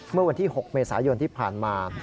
เมื่อวันที่๖เมษายนที่ผ่านมา